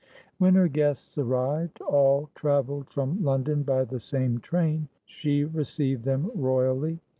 When her guests arrivedall travelled from London by the same trainshe received them royally.